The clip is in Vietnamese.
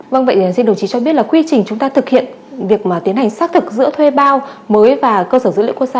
vâng vậy xin đồng chí cho biết là quy trình chúng ta thực hiện việc mà tiến hành xác thực giữa thuê bao mới và cơ sở dữ liệu quốc gia